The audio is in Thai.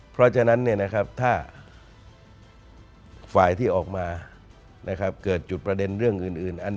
เพราะฉะนั้นถ้าฝ่ายที่ออกมาเกิดจุดประเด็นเรื่องอื่น